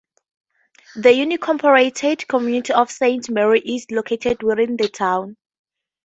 The unincorporated community of Saint Mary's is located within the town.